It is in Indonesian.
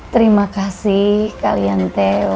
terima kasih kalian teo